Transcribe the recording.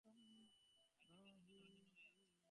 তাঁর চিন্তা চেতনা আচ্ছন্ন হয়ে আসছে।